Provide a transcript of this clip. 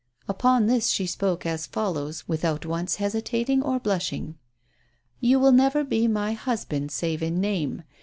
Upon this she spoke as follows, without once hesita ting or blushing: " You will never be my husband save in name.